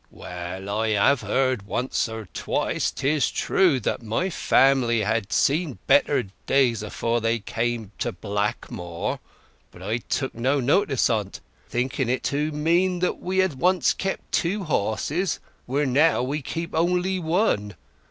"Well, I have heard once or twice, 'tis true, that my family had seen better days afore they came to Blackmoor. But I took no notice o't, thinking it to mean that we had once kept two horses where we now keep only one.